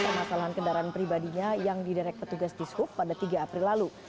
permasalahan kendaraan pribadinya yang diderek petugas di sub pada tiga april lalu